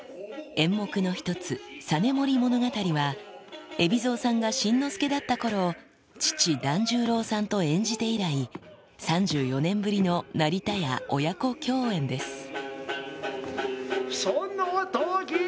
演目の一つ、実盛物語は、海老蔵さんが新之助だったころ、父、團十郎さんと演じて以来、３４年ぶりの成田屋親子共演です。